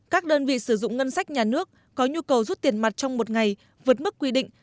các đơn vị sử dụng ngân sách nhà nước có nhu cầu rút tiền mặt trong một ngày vượt mức quy định